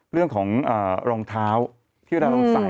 เรื่องของรองเท้าที่เราต้องใส่